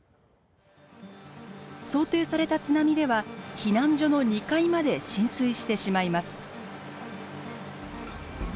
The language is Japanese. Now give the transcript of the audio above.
想定された津波では避難所の２階まで浸水してしまいます。